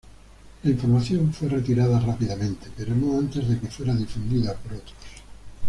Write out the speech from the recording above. La información fue retirada rápidamente, pero no antes de que fuera difundida por otros.